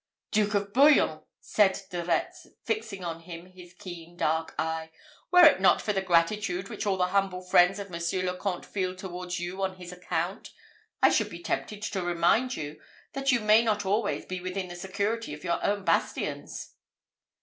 "Duke of Bouillon!" said De Retz, fixing on him his keen dark eye, "were it not for the gratitude which all the humble friends of Monsieur le Comte feel towards you on his account, I should be tempted to remind you, that you may not always be within the security of your own bastions."